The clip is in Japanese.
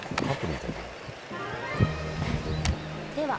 カップルみたいだね。